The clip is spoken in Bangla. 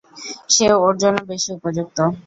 সে ওর জন্য বেশি উপযুক্ত!